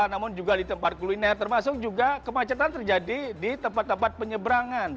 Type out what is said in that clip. namun juga di tempat kuliner termasuk juga kemacetan terjadi di tempat tempat penyeberangan